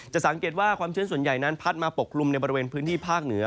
สังเกตว่าความชื้นส่วนใหญ่นั้นพัดมาปกกลุ่มในบริเวณพื้นที่ภาคเหนือ